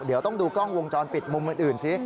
เดี๋ยวต้องดูกล้องวงจรปิดมุมอื่นสิ